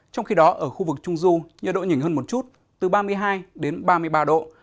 trong khi đó ở khu vực trung du nhiệt độ nhỉnh hơn một chút từ ba mươi hai đến ba mươi ba độ